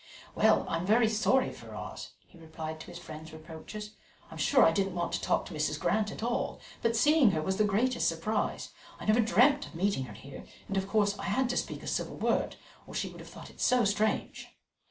"Well, I'm very sorry, Ferrars," he replied to his friend's reproaches; "I'm sure I didn't want to talk to Mrs. Grant at all, but seeing her was the greatest surprise; I never dreamt of meeting her here, and, of course, I had to speak a civil word, or she would have thought it so strange."